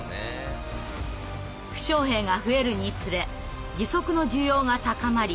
負傷兵が増えるにつれ義足の需要が高まり